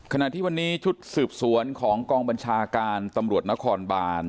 ขณะที่วันนี้ชุดสืบสวนของกองบัญชาการตำรวจนครบาน